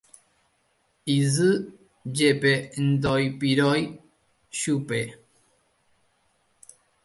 isy jepe ndoipirói chupe